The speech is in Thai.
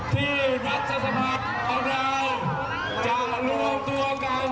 ที่รัฐสภาพของเราจะรวมตัวกัน๗๕๐คน